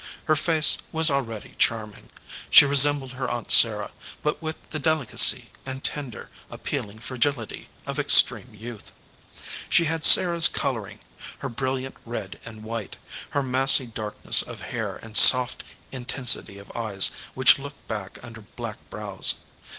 Her face was already charming. She resembled her aunt Sarah, but with the delicacy and tender, appealing fragility of extreme youth. She had Sarah s coloring; her brilliant red and white, her massy darkness of hair and soft inten sity of eyes which looked back under black brows.